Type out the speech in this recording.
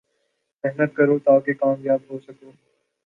محنت کرو تا کہ کامیاب ہو سکو